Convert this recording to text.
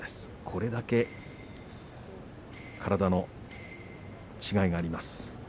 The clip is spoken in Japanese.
これだけ体の違いがあります。